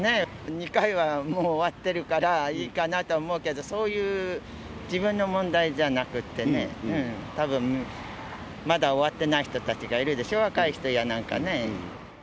２回はもう終わってるからいいかなと思うけど、そういう自分の問題じゃなくてね、たぶんまだ終わってない人たちがいるでしょ、若い人やなんかね。